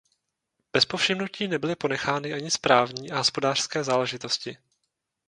Bez povšimnutí nebyly ponechány ani správní a hospodářské záležitosti.